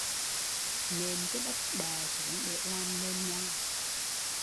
Nện cho đất đẹ xuống để làm nền nhà